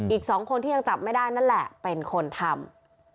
อีก๒คนที่ยังจับไม่ได้นั่นแหละเป็นคนทำ